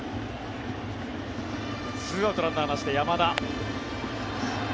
２アウト、ランナーなしで山田。